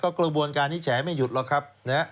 กระบวนการที่แฉไม่หยุดหรอกครับ